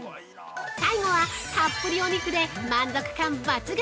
◆最後は、たっぷりお肉で満足感抜群！